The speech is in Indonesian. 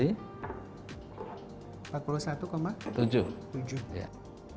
ini empat puluh satu tujuh ml